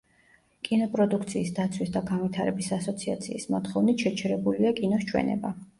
კინოპროდუქციის დაცვის და განვითარების ასოციაციის მოთხოვნით შეჩერებულია კინოს ჩვენება.